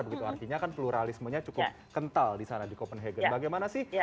begitu artinya kan pluralismenya cukup kental di sana di copenhagen bagaimana sih